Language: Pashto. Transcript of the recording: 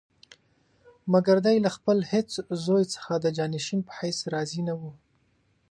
مګر دی له خپل هېڅ زوی څخه د جانشین په حیث راضي نه وو.